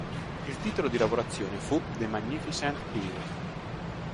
Il titolo di lavorazione fu "The Magnificent Heel".